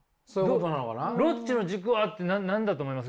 ロッチの軸はって何だと思います？